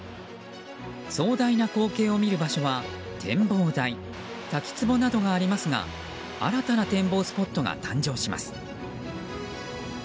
壮大な光景を見る場所は展望台、滝つぼなどがありますが新たな展望スポットが誕生します。